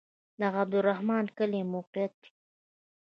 د عبدالرحمن کلی موقعیت